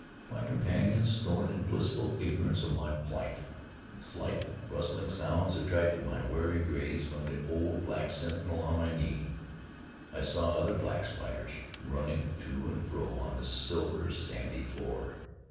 My companions snored in blissful ignorance of my plight. Slight rustling sounds attracted my wary gaze from the old black sentinel on my knee. I saw other black spiders running to and fro on the silver, sandy floor.